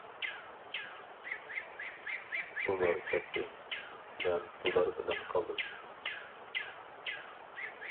ئۇلار كەتتى، مەن بۇلار بىلەن قالدىم.